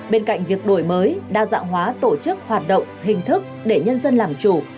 bên cạnh việc đổi mới đa dạng hóa tổ chức hoạt động hình thức để nhân dân làm chủ